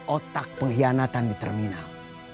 otak pengkhianatan di terminal